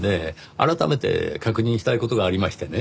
改めて確認したい事がありましてね。